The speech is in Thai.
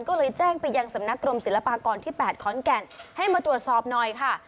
ก็เลยแจ้งไปยังสำนักกรมศิลปากรที่๘ขอนแก่นให้มาตรวจสอบหน่อยค่ะ